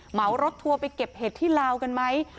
เหมารถทัวร์ไปเก็บเห็ดที่ลาวกันไหม